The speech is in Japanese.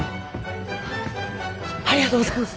ありがとうございます！